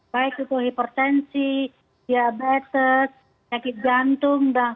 baik itu hipertensi diabetes sakit jantung